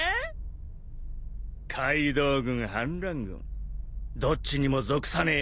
カイドウ軍反乱軍どっちにも属さねえ